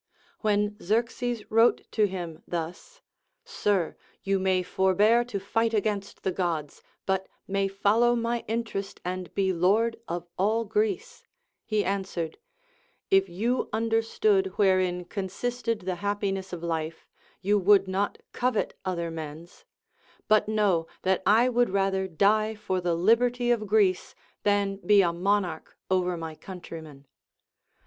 When Xerxes wrote to him thus, Sir, you may forbear to fight against the Gods, but may follow my interest and be lord of all Greece, he answered : If you understood wherein consisted the happi ness of life, you would not covet other men's ; but know that I Avould rather die for the liberty of Greece than be a monarch over my countrymen.